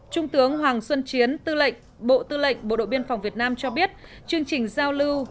trung tướng hoàng xuân chiến tư lệnh bộ tư lệnh bộ đội biên phòng việt nam cho biết chương trình giao lưu